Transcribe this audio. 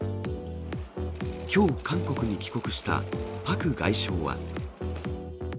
きょう韓国に帰国したパク外相は。